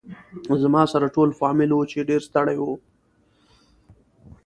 زما سره ټول فامیل و چې ډېر ستړي و.